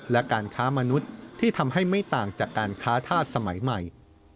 และการค้ามนุษย์ที่ทำให้ไม่ต่างจากการค้าธาตุสมัยใหม่